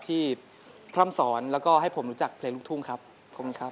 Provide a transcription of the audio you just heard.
พร่ำสอนแล้วก็ให้ผมรู้จักเพลงลูกทุ่งครับขอบคุณครับ